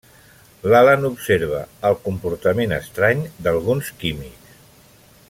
L'Allen observa el comportament estrany d'alguns químics.